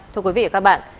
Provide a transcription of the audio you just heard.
thưa quý vị và các bạn